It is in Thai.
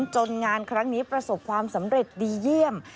งานครั้งนี้ประสบความสำเร็จดีเยี่ยม